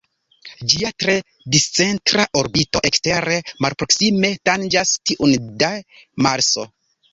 Ĝia tre discentra orbito ekstere malproksime tanĝas tiun de Marso.